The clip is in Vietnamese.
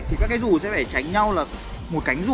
thì các cái dù sẽ phải tránh nhau là một cánh dụ